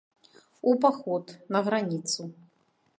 У паход, на граніцу.